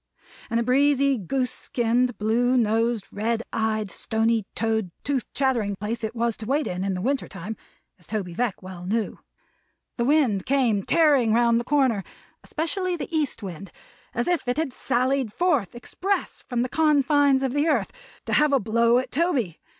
And a breezy, goose skinned, blue nosed, red eyed, stony toed, tooth chattering place it was to wait in, in the winter time, as Toby Veck well knew. The wind came tearing round the corner especially the east wind as if it had sallied forth, express, from the confines of the earth, to have a blow at Toby.